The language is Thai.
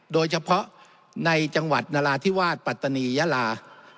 โดยเฉพาะในจังหวัดนราธิวาสปัตตานียาลา